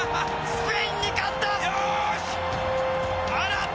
スペインに勝った！